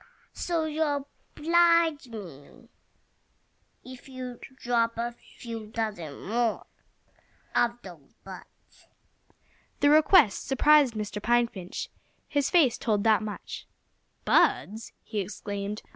So you'll oblige me if you'll drop a few dozen more of those buds." The request surprised Mr. Pine Finch. His face told that much. "Buds!" he exclaimed.